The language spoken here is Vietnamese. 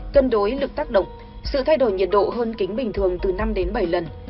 cân đối lực tác động sự thay đổi nhiệt độ hơn kính bình thường từ năm đến bảy lần